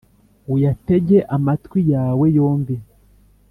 uyatege amatwi yawe yombi